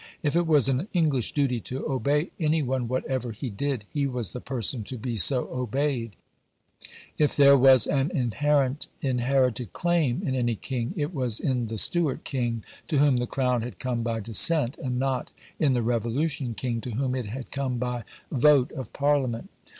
if it was an English duty to obey any one whatever he did, he was the person to be so obeyed; if there was an inherent inherited claim in any king, it was in the Stuart king to whom the crown had come by descent, and not in the Revolution king to whom it had come by vote of Parliament.